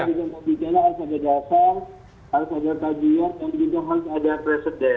kita harus berbicara asal asal dasar asal asal dasar dan kita harus ada presiden